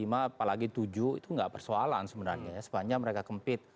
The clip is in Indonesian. sebenarnya dua tiga lima apalagi tujuh itu tidak persoalan sebenarnya ya sepanjang mereka kempit